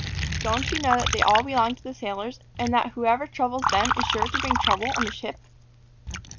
"Don't you know that they all belong to the sailors; and that whoever troubles them is sure to bring trouble on the ship?"